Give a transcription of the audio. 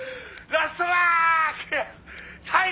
『ラストワーク』！」